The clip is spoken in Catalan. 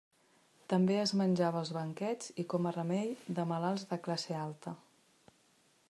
També es menjava als banquets i com a remei de malalts de classe alta.